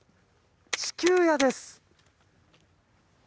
地球屋です！